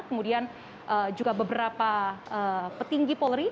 kemudian juga beberapa petinggi polri